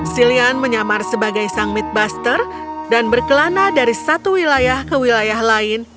silian menyamar sebagai sang midbuster dan berkelana dari satu wilayah ke wilayah lain